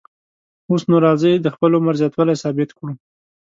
اوس نو راځئ د خپل عمر زیاتوالی ثابت کړو.